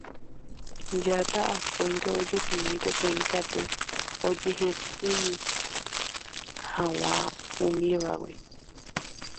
Jata akóinte ojuhúmi peteĩ tape ojehekýi hag̃ua umívagui.